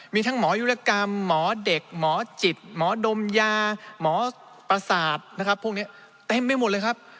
มีทั้งหมอยุรกรรมหมอเด็กหมอจิตหมอดมยาหมอประสาทนะครับพวกนี้เต็มไปหมดเลยครับ